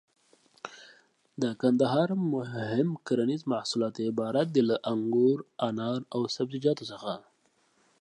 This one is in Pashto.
د کندهار مهم کرنيز محصولات عبارت دي له: انګور، انار او سبزيجاتو څخه.